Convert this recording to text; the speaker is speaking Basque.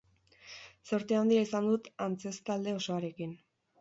Zorte handia izan dut antzeztalde osoarekin.